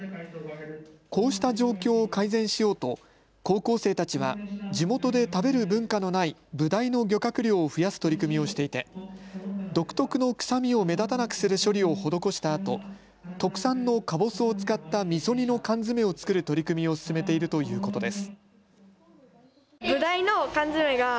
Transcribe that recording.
こうした状況を改善しようと高校生たちは地元で食べる文化のないブダイの漁獲量を増やす取り組みをしていて独特の臭みを目立たなくする処理を施したあと特産のかぼすを使ったみそ煮の缶詰を作る取り組みを進めているということです。